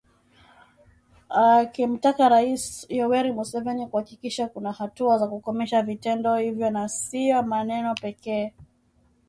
akimtaka Rais Yoweri Museveni kuhakikisha kuna hatua za kukomesha vitendo hivyo na sio maneno pekee